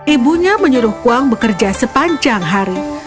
ibunya menyuruh kuang bekerja sepanjang hari